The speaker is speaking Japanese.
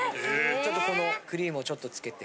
ちょっとこのクリームをちょっとつけて。